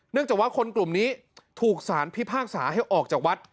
จากว่าคนกลุ่มนี้ถูกสารพิพากษาให้ออกจากวัด